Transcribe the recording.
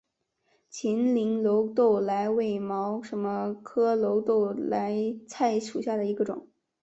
秦岭耧斗菜为毛茛科耧斗菜属下的一个种。